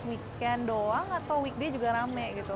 semuanya pas weekend doang atau weekday juga rame gitu